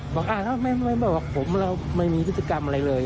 ไม่บอกว่าผมเราไม่มีพฤติกรรมอะไรเลย